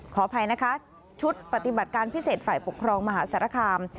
ขออภัยนะคะชุดปฏิบัติการพิเศษฝ่ายปกครองมหาสารคาม